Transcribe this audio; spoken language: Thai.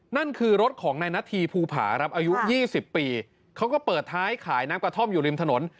นั่นคือรถของนายนาธีภูผาครับอายุ๒๐ปีเขาก็เปิดท้ายขายน้ำกระท่อมอยู่ริมถนน